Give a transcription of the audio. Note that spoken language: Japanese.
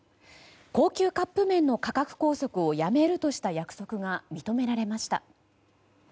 高級カップ麺の価格拘束をやめるとした約束が認められました。